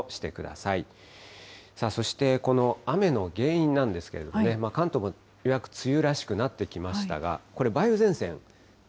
さあそして、この雨の原因なんですけれども、関東もようやく梅雨らしくなってきましたが、これ、梅雨前線。